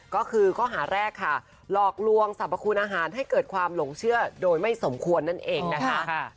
ก็คือข้อหาแรกค่ะหลอกลวงสรรพคุณอาหารให้เกิดความหลงเชื่อโดยไม่สมควรนั่นเองนะคะ